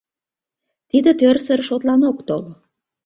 Тиде тӧрсыр шотлан ок тол.